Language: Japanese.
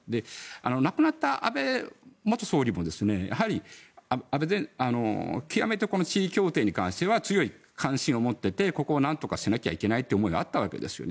亡くなった安倍元総理もやはり極めて地位協定に関しては強い関心を持っていてここをなんとかしなきゃいけないという思いがあったわけですよね。